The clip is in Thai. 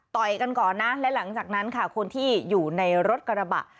กันก่อนนะและหลังจากนั้นค่ะคนที่อยู่ในรถกระบะ